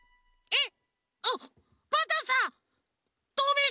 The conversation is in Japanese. えっ？